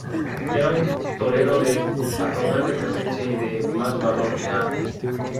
Era un torero de arrogante presencia y de más valor que arte.